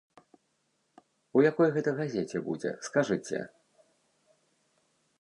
У якой гэта газеце будзе, скажыце?